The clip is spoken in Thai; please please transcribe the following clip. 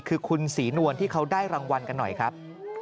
คือคุณศรีนวลที่เขาได้รางวัลกันหน่อยครับ